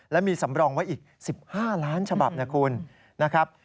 และมีสำรองไว้อีก๑๕ล้านฉบับนะคุณนะครับ